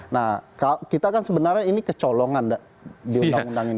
nah kita kan sebenarnya ini kecolongan di undang undang ini